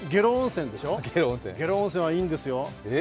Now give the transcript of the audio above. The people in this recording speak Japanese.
下呂温泉はいいんですよ。